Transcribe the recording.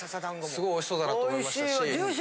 すごいおいしそうだなと思いましたし。